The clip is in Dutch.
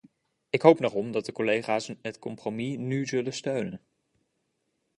Ik hoop daarom dat de collega's het compromis nu zullen steunen.